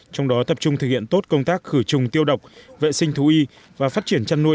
trong đó tập trung thực hiện tốt công tác khử trùng tiêu độc vệ sinh thú y và phát triển chăn nuôi